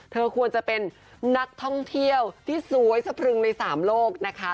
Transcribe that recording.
เธอควรจะเป็นนักท่องเที่ยวที่สวยสะพรึงใน๓โลกนะคะ